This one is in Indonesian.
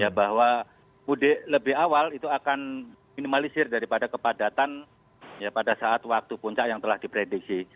ya bahwa mudik lebih awal itu akan minimalisir daripada kepadatan pada saat waktu puncak yang telah diprediksi